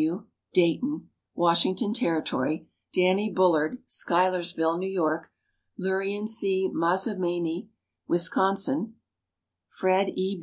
W., Dayton, Washington Territory; Dannie Bullard, Schuylerville, New York; Lurean C., Mazomanie, Wisconsin; Fred E.